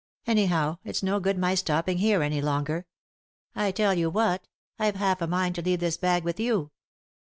Anyhow, it's no good my stopping here any longer. I tell you what, I've half a mind to leave this bag with you."